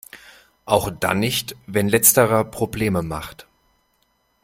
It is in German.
Auch dann nicht, wenn letzterer Probleme macht.